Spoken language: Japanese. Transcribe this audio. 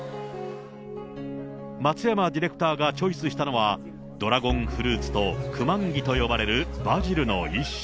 松山ディレクターがチョイスしたのは、ドラゴンフルーツとクマンギと呼ばれるバジルの一種。